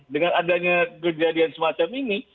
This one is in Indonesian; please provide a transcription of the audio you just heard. dengan adanya kejadian semacam ini